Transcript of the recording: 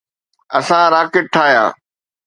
اسان راکٽ ٺاهيا.